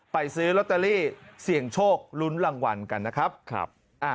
ซื้อลอตเตอรี่เสี่ยงโชคลุ้นรางวัลกันนะครับ